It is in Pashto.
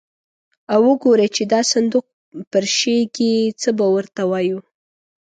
او وګوري چې دا صندوق پرشېږي، څه به ور ته وایو.